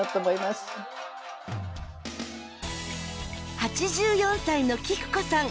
８４歳の喜久子さん。